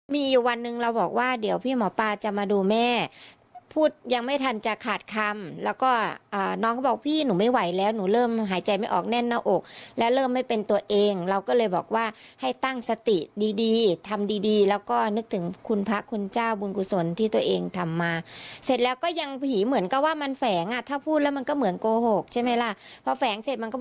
มีอยู่วันหนึ่งเราบอกว่าเดี๋ยวพี่หมอปลาจะมาดูแม่พูดยังไม่ทันจะขาดคำแล้วก็น้องก็บอกพี่หนูไม่ไหวแล้วหนูเริ่มหายใจไม่ออกแน่นหน้าอกและเริ่มไม่เป็นตัวเองเราก็เลยบอกว่าให้ตั้งสติดีดีทำดีดีแล้วก็นึกถึงคุณพระคุณเจ้าบุญกุศลที่ตัวเองทำมาเสร็จแล้วก็ยังผีเหมือนก็ว่ามันแฝงอ่ะถ้าพูดแล้วมันก็เหมือนโกหกใช่ไหมล่ะพอแฝงเสร็จมันก็บ